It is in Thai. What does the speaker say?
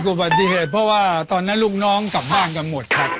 อุบัติเหตุเพราะว่าตอนนั้นลูกน้องกลับบ้านกันหมดครับ